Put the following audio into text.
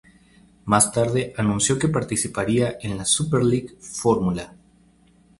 Más tarde anunció que participaría en la Superleague Fórmula.